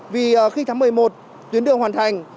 vì khi tháng một mươi một tuyến đường hoàn thành